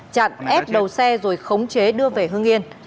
chặn ép đầu xe rồi khống chế đưa về hương yên